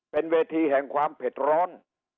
เป็นเวทีแห่งความเผ็ดร้อน